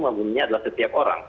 maka bunyinya adalah setiap orang